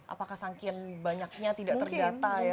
apakah sangkian banyaknya tidak tergata ya